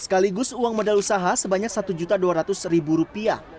sekaligus uang modal usaha sebanyak rp satu dua ratus